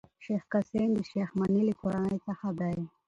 شېخ قاسم د شېخ مني له کورنۍ څخه دﺉ.